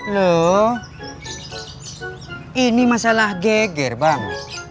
loh ini masalah geger bang